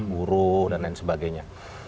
buruh dan lain sebagainya